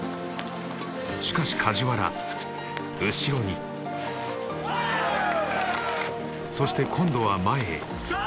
しかし梶原後ろにそして今度は前へ。